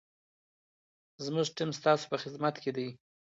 زموږ ټیم ستاسو په خدمت کي دی.